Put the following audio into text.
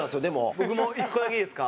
僕も１個だけいいですか？